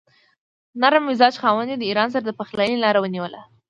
نرم مزاج خاوند یې د ایران سره د پخلاینې لاره ونیوله.